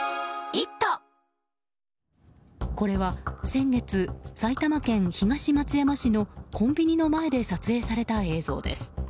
これは先月、埼玉県東松山市のコンビニの前で撮影された映像です。